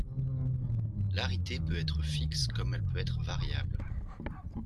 L'arité peut être fixe comme elle peut être variable.